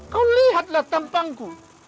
kau lihatlah tampangku